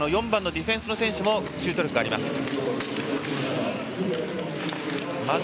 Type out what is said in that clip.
４番のディフェンスにもシュート力があります。